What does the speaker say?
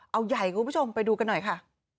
เอาใหญ่คุณผู้ชมไปดูกันหน่อยค่ะ